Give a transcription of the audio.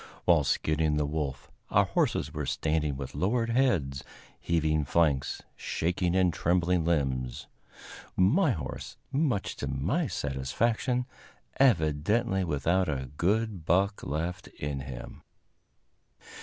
While skinning the wolf, our horses were standing with lowered heads, heaving flanks, shaking and trembling limbs; my horse, much to my satisfaction, evidently without a good buck left in him.